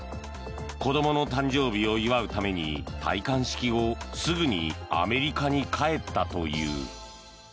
子供の誕生日を祝うために戴冠式後すぐにアメリカに帰ったという。